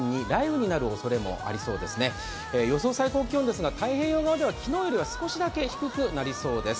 予想最高気温ですが太平洋側では昨日よりも少しだけ低くなりそうです。